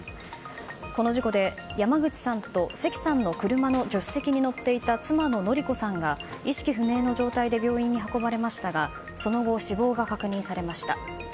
この事故で、山口さんと関さんの車の助手席に乗っていた妻の紀子さんが意識不明の状態で病院に運ばれましたがその後、死亡が確認されました。